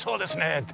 って。